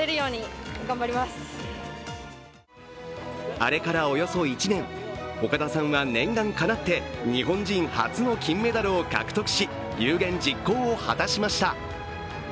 あれからおよそ１年、岡田さんは念願かなって日本人初の金メダルを獲得し有言実行を果たしました。